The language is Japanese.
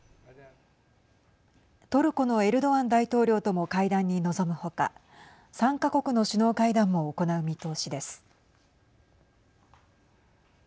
トルコのエルドアン大統領とも会談に臨むほか３か国の首脳会談も行う見通しです。